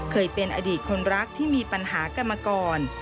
เคยเป็นอดีตคนรักที่มีปัญหากันมาก่อน